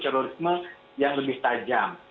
terorisme yang lebih tajam